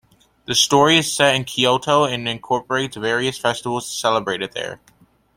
The story is set in Kyoto, and incorporates various festivals celebrated there.